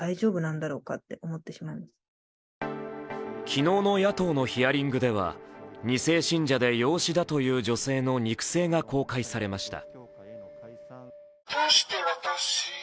昨日の野党のヒアリングでは、２世信者で養子だという女性の肉声が公開されました。